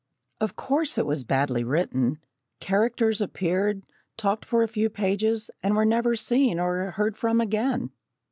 Of course it was badly written. Characters appeared, talked for a few pages, and were never seen or heard from again.